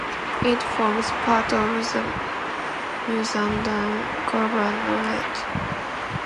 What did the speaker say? It forms part of the Musandam Governorate.